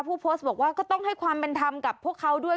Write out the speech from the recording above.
ผู้โพสต์บอกว่าก็ต้องให้ความเป็นธรรมกับพวกเขาด้วย